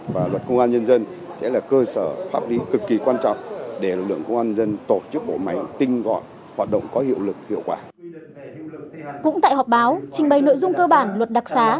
và luật công an nhân dân sẽ là cơ sở pháp lý cực kỳ quan trọng để lực lượng công an nhân dân tổ chức bộ máy tinh gọn hoạt động có hiệu lực hiệu quả